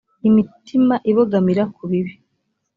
imitima ibogamira ku bibi